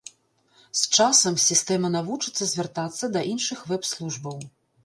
З часам сістэма навучыцца звяртацца да іншых вэб-службаў.